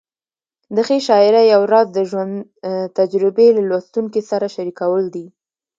د ښې شاعرۍ یو راز د ژوند تجربې له لوستونکي سره شریکول دي.